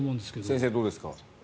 先生、どうですか？